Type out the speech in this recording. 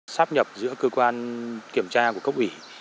sắp nhập giữa cơ quan kiểm tra của cốc ủy